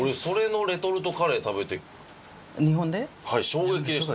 衝撃でした。